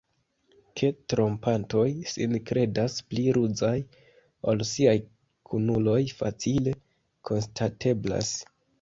Ke trompantoj sin kredas pli ruzaj ol siaj kunuloj, facile konstateblas.